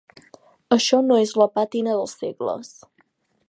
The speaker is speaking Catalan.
Això no és la pàtina dels segles.